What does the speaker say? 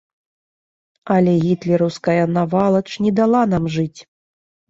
Але гітлераўская навалач не дала нам жыць.